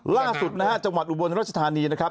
ล่าสุดนะฮะจังหวัดอุบลรัชธานีนะครับ